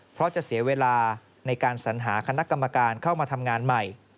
เพราะจะเสียเวลาในการสัญหาคณะกรรมการเข้ามาทำงานใหม่